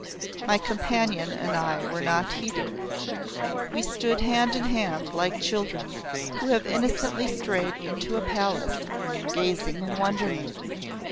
My companion and I were not heeded. We stood hand in hand like children who have innocently strayed into a palace, gazing in wonderment.